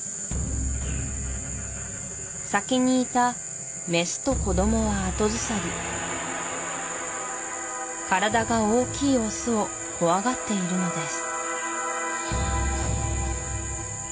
先にいたメスと子どもは後ずさり体が大きいオスを怖がっているのです